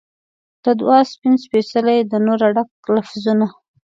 د دعا سپین سپیڅلي د نوره ډک لفظونه